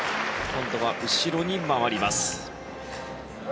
今度は後ろに回ります。